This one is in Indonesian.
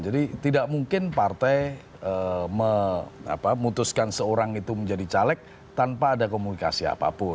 jadi tidak mungkin partai memutuskan seorang itu menjadi caleg tanpa ada komunikasi apapun